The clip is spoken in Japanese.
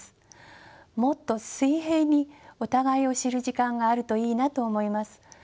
もっと水平にお互いを知る時間があるといいなと思います。